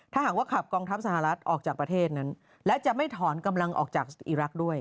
ถ้าหากว่าขับกองทัพสหรัฐออกจากประเทศนั้นและจะไม่ถอนกำลังออกจากอีรักษ์ด้วย